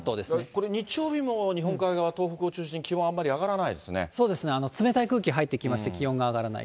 これ、日曜日も日本海側、東北を中心に気温あんまり上がらなそうですね、冷たい空気入ってきまして、気温が上がらない。